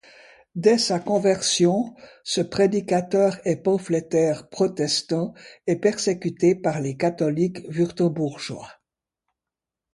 Dès sa conversion, ce prédicateur et pamphlétaire protestant est persécuté par les catholiques wurtembourgeois.